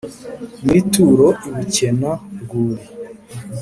nyir-inturo i bukena-rwuri,